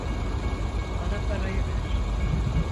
Bana parayı ver.